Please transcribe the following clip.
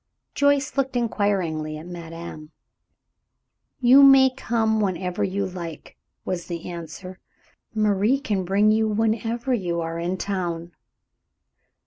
Joyce looked inquiringly at madame. "You may come whenever you like," was the answer. "Marie can bring you whenever you are in town."